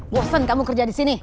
bosan kamu kerja disini